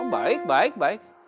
baik baik baik